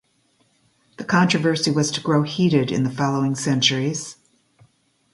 The controversy was to grow heated in the following centuries.